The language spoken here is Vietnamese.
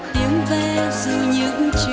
tiếng ve dù những trưa